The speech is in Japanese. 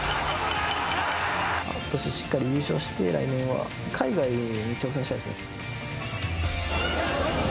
今年、しっかり優勝して来年は海外に挑戦したいですね。